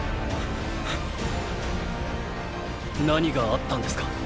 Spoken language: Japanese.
何があったんですか？